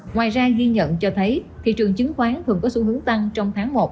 ngoài ra ghi nhận cho thấy thị trường chứng khoán thường có xu hướng tăng trong tháng một